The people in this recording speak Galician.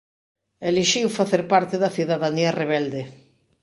Elixiu facer parte da cidadanía rebelde.